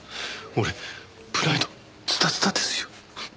俺プライドズタズタですよ。